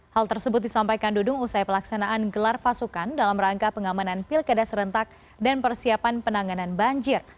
hal tersebut disampaikan dudung usai pelaksanaan gelar pasukan dalam rangka pengamanan pilkada serentak dan persiapan penanganan banjir